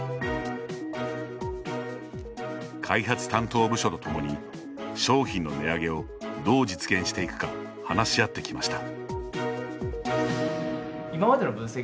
開発担当部署とともに商品の値上げをどう実現していくか話し合ってきました。